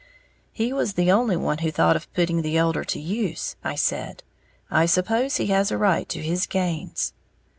"He was the only one who thought of putting the elder to use," I said. "I suppose he has a right to his gains."